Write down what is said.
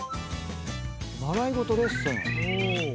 習い事レッスン。